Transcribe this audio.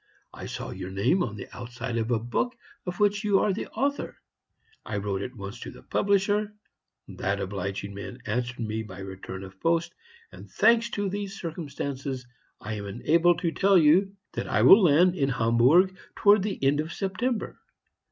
I saw your name on the outside of a book of which you are the author. I wrote at once to the publisher; that obliging man answered me by return of post, and, thanks to these circumstances, I am enabled to tell you that I will land at Hamburg towards the end of September.